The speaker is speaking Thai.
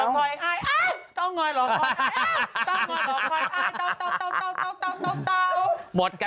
สวัสดีค่ะ